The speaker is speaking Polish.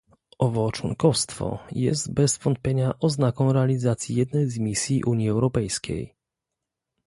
Owo członkostwo jest bez wątpienia oznaką realizacji jednej z misji Unii Europejskiej